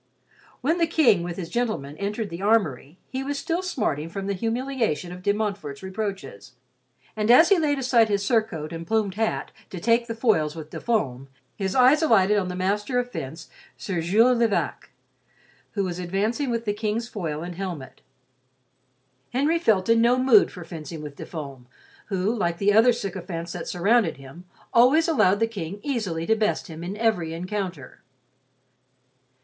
When the King, with his gentlemen, entered the armory he was still smarting from the humiliation of De Montfort's reproaches, and as he laid aside his surcoat and plumed hat to take the foils with De Fulm, his eyes alighted on the master of fence, Sir Jules de Vac, who was advancing with the King's foil and helmet. Henry felt in no mood for fencing with De Fulm, who, like the other sycophants that surrounded him, always allowed the King easily to best him in every encounter.